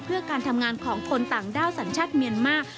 เพื่อการทำงานของคนต่างด้าวสัญชาติเมียนมาร์